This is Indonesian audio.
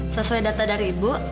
sesuai data dari ibu